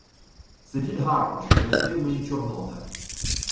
Це дід Гармаш, — пояснив мені Чорнота.